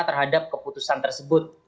terhadap keputusan tersebut